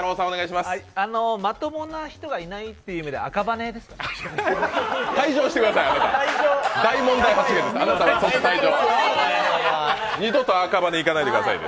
まともな人がいないっていう意味で赤羽ですね。